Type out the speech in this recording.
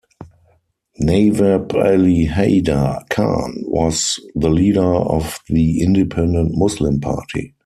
Nawab Ali Haider Khan was the leader of the Independent Muslim Party.